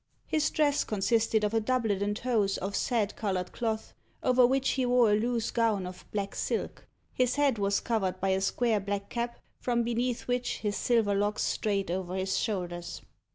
His dress consisted of a doublet and hose of sad coloured cloth, over which he wore a loose gown of black silk. His head was covered by a square black cap, from beneath which his silver locks strayed over his shoulders.